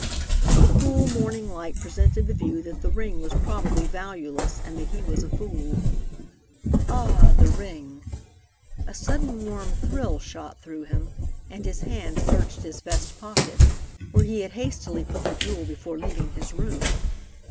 The cool morning light presented the view that the ring was probably valueless, and that he was a fool. Ah, the ring! A sudden warm thrill shot through him, and his hand searched his vest pocket, where he had hastily put the jewel before leaving his room.